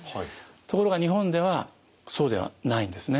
ところが日本ではそうではないんですね。